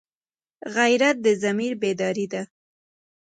غیرت د ضمیر بیداري ده